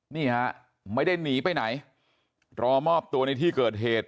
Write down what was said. นี่ฮะไม่ได้หนีไปไหนรอมอบตัวในที่เกิดเหตุ